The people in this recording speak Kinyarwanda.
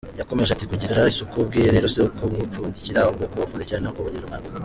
Yakomeje ati “Kugirira isuku ubwiherero si ukubupfundikira ahubwo kubupfundikira ni ukubugirira umwanda.